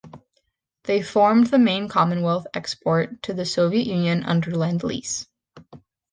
They formed the main Commonwealth export to the Soviet Union under lend-lease.